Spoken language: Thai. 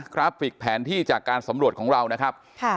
ราฟิกแผนที่จากการสำรวจของเรานะครับ